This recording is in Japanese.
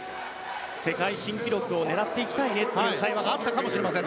世界新記録を狙っていきたいねという会話があったかもしれません。